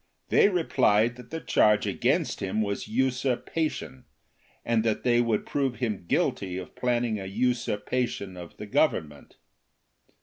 They replied that the charge against him was usurpation, and that they would prove him guilty of planning a usurpation of the government.